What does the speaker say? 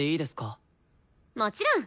もちろん。